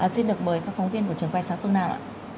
xin được mời các phóng viên của trường quay sáng phương nam